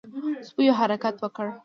سپيو حرکت وکړ.